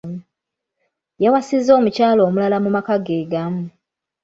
Yawasizza omukyala omulala mu maka ge gamu.